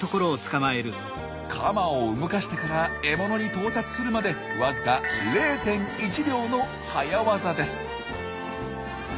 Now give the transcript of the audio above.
カマを動かしてから獲物に到達するまでわずか０．１秒の早業です。